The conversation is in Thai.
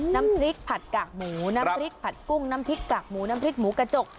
น้ำพริกผัดกากหมูน้ำพริกผัดกุ้งน้ำพริกกากหมูน้ำพริกหมูกระจก